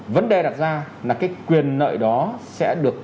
vấn đề đặt ra là cái quyền nợ đó sẽ được